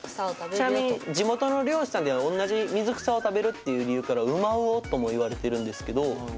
ちなみに地元の漁師さんでは同じ水草を食べるっていう理由から「馬魚」とも言われてるんですけど。